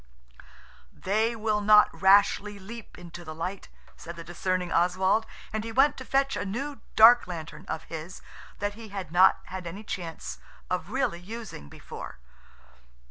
"They will not rashly leap into the light," said the discerning Oswald. And he went to fetch a new dark lantern of his that he had not had any chance of really using before.